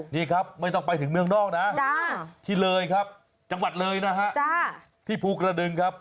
นี่ครับไม่ต้องไปถึงเมืองนอกนะที่เลยครับจังหวัดเลยนะฮะที่ภูกระดึงครับ